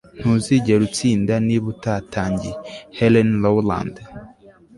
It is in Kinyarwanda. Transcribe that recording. ntuzigera utsinda niba utatangiye. - helen rowland